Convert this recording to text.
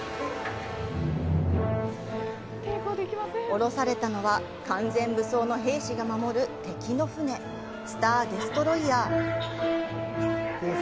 降ろされたのは、完全武装の兵士が守る敵の船、スター・デストロイヤー。